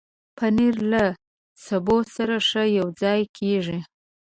پنېر له سبو سره ښه یوځای کېږي.